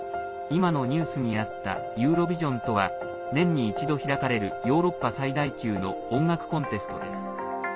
今のニュースにあった「ユーロビジョン」とは年に一度開かれるヨーロッパ最大級の音楽コンテストです。